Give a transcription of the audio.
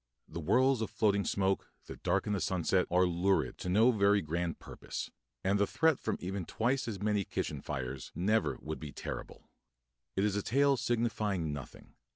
The whirls of floating smoke that darken the sunset are 'lurid' to no very grand purpose; and the threat from even twice as many kitchen fires never would be terrible. It is a tale signifying nothing.